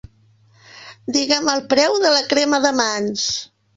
Digue'm el preu de la crema de mans.